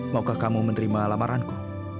maukah kamu menerima lamaranku